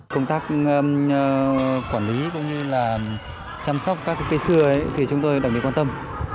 công tác quản lý cũng như là chăm sóc các cây xưa ấy thì chúng tôi đồng ý quan tâm